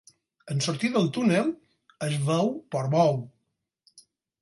En sortir del túnel, es veu Portbou.